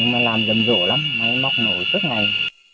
nhưng mà làm dầm rổ lắm máy móc nổi tất cả ngày